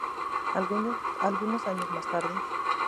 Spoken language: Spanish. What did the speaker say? Algunos años más tarde.